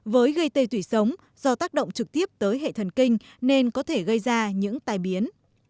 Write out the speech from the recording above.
với gây tê tủy sống do tác động trực tiếp tới hệ thần kinh nên có thể gây ra những tai biến